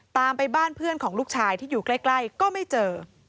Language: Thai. ตามไปบ้านเพื่อนของลูกชายที่อยู่ใกล้ก็ไม่เจอ